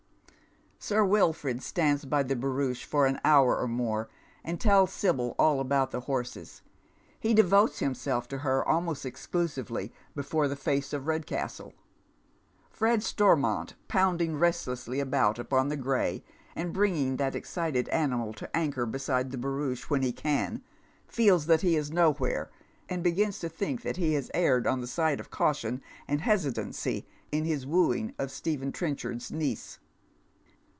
Sir Wilford stands by the barouche for an hour or more, and tells Sibyl all about the hc« ses. He devotes himself to her almost exclusively before the face of Kedcastle. Fred Storaiont, pounding restlessly about upon the gray, and bringing that excited animal to anchor beside the barouclie, when he can, feeln that he is nowhere, and begins to tliink that he has erred on th* side of caution and hesitancy in his wooing of Stephen Trenchard's niece.